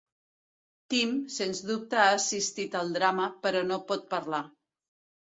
Tim, sens dubte ha assistit al drama, però no pot parlar.